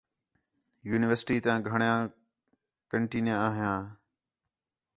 یونیورسٹی تیاں گھݨیاں کنٹیناں آھیاں